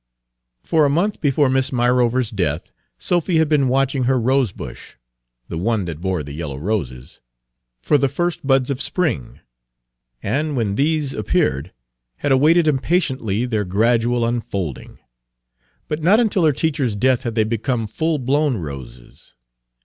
For a month before Miss Myrover's death Sophy had been watching her rosebush the one that bore the yellow roses or the first buds of spring, and, when these appeared, had awaited impatiently their gradual unfolding. But not until her teacher's death had they become full blown roses.